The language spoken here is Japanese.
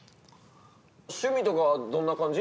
趣味とかはどんな感じ？